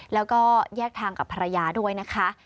แล้วก็แยกทางกับภรรยาด้วยนะคะ